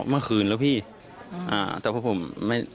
เมื่อคืนแล้วพี่อ่า